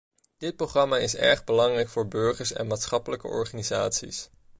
Dit programma is erg belangrijk voor burgers en maatschappelijke organisaties.